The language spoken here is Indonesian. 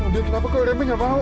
tuhan dia kenapa kok remeh nyapa aku